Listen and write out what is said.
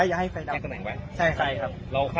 จะให้ไฟดับใช่ครับ